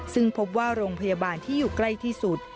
ซึ่งพบว่าโรงพยาบาลที่อยู่ใกล้ที่สุด